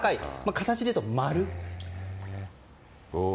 形で言うと、丸。